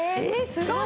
すごーい！